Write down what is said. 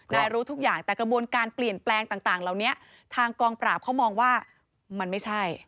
รู้ทุกอย่างแต่กระบวนการเปลี่ยนแปลงต่างเหล่านี้ทางกองปราบเขามองว่ามันไม่ใช่